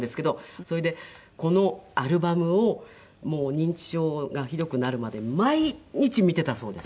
それでこのアルバムを認知症がひどくなるまで毎日見ていたそうです